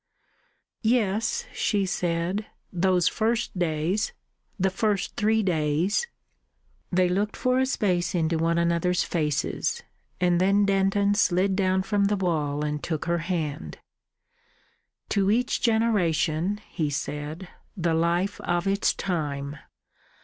"Yes," she said, "those first days. The first three days." They looked for a space into one another's faces, and then Denton slid down from the wall and took her hand. "To each generation," he said, "the life of its time.